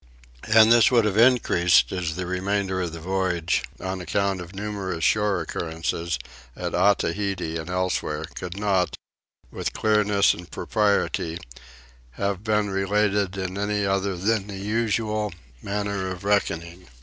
And this would have increased as the remainder of the voyage, on account of the numerous shore occurrences at Otaheite and elsewhere, could not, with clearness and propriety, have been related in any other than the usual manner of reckoning.